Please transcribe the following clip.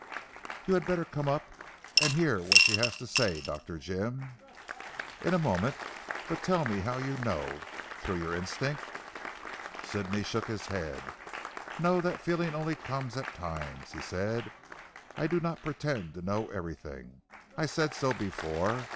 "You had better come up and hear what she has to say Dr. Jim." "In a moment. But tell me how you know through your instinct?" Sidney shook his head. "No. That feeling only comes at times," he said. "I do not pretend to know everything. I said so before.